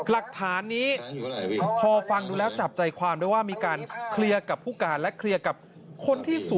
มันไม่ดีทิ้งช่วงไว้นานเดี๋ยวมันจะซ้ำลอยเอาอีก